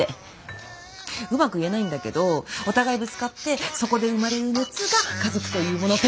うまく言えないんだけどお互いぶつかってそこで生まれる熱が家族というものを。